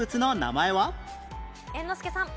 猿之助さん。